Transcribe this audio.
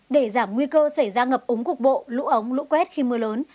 để giảm nguy cơ xảy ra ngập ống cục bộ lũ ống lũ quét khi mưa lớn